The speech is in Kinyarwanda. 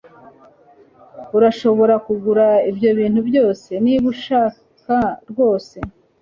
urashobora kugura ibyo bintu byose niba ubishaka rwose